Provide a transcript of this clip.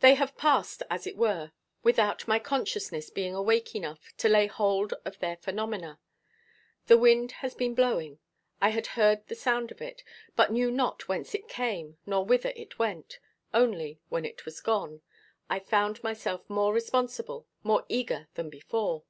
They have passed, as it were, without my consciousness being awake enough to lay hold of their phenomena. The wind had been blowing; I had heard the sound of it, but knew not whence it came nor whither it went; only, when it was gone, I found myself more responsible, more eager than before.